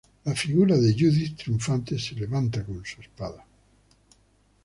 La figura de Judith triunfante se levanta con su espada.